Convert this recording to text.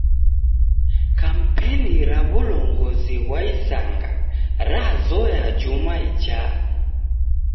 Kampeni ra w'ulongozi ghwa isanga razoya juma ichaa.